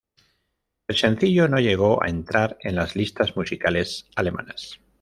El sencillo no llegó a entrar en las listas musicales alemanas.